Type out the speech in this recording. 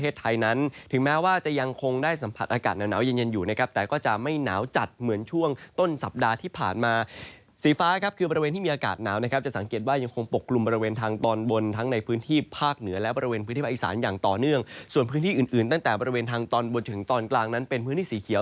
สารอย่างต่อเนื่องส่วนพื้นที่อื่นตั้งแต่บริเวณทางตอนบนถึงตอนกลางนั้นเป็นพื้นที่สีเขียว